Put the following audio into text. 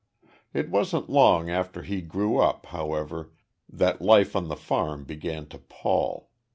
It wasn't long after he grew up, however, that life on the farm began to pall.